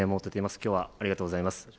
きょうはありがとうございます。